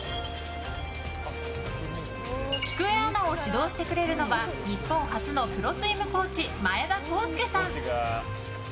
きくえアナを指導してくれるのは日本初のプロスイムコーチ前田康輔さん。